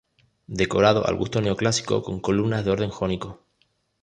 Decorado al gusto neoclásico, con columnas de orden jónico.